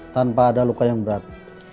tanpa ada luka yang berat